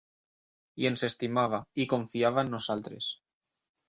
I ens estimava i confiava en nosaltres.